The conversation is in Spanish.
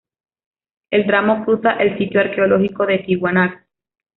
El tramo cruza el sitio arqueológico de Tiwanaku.